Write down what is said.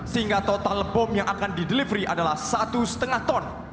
sehingga total bom yang akan didelivery adalah satu lima ton